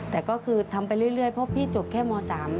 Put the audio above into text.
แต่ก็คือทำไปเรื่อยเพราะพี่จบแค่ม๓